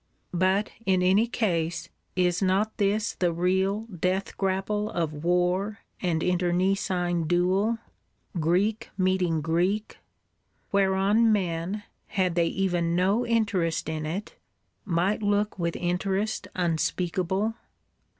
But, in any case, is not this the real death grapple of war and internecine duel, Greek meeting Greek; whereon men, had they even no interest in it, might look with interest unspeakable?